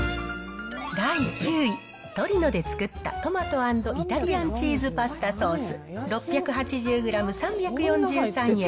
第９位、トリノで作ったトマト＆イタリアンチーズパスタソース、６８０グラム３４３円。